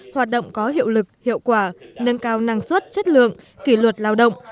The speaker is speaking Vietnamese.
hoạt động có hiệu lực hiệu quả nâng cao năng suất chất lượng kỷ luật lao động